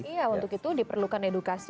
iya untuk itu diperlukan edukasi